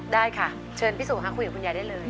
ได้ค่ะเชิญพี่สุค่ะคุยกับคุณยายได้เลย